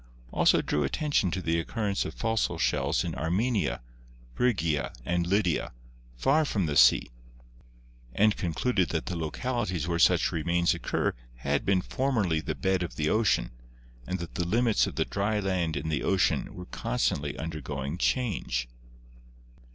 also drew attention to the occurrence of fossil shells in Armenia, Phrygia and Lydia, far from the sea, and concluded that the localities where such remains occur had been formerly the bed of the ocean and that the limits of the dry land and the ocean were constantly undergoing change.